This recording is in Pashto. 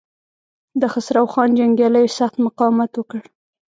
د خسرو خان جنګياليو سخت مقاومت وکړ.